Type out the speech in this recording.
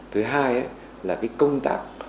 thứ hai là cái công trình